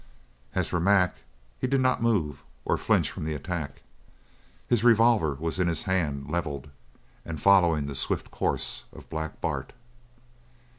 As for Mac, he did not move or flinch from the attack. His revolver was in his hand, levelled, and following the swift course of Black Bart.